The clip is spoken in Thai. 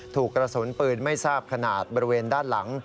ถูกกระสุนปืนไม่ทราบขนาดบริเวณด้านหลัง